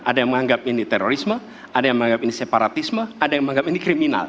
ada yang menganggap ini terorisme ada yang menganggap ini separatisme ada yang menganggap ini kriminal